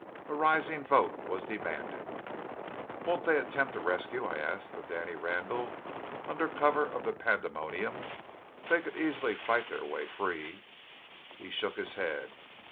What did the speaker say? A rising vote was demanded. "Won't they attempt a rescue?" I asked of Danny Randall, under cover of the pandemonium. "They could easily fight their way free." He shook his head.